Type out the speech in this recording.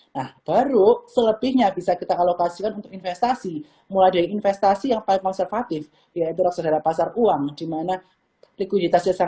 nah baru selebihnya bisa kita alokasikan untuk investasi mulai dari investasi yang paling konservatif yaitu raksadara pasar uang dimana